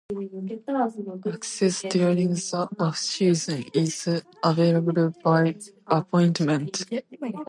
Access during the off-season is available by appointment.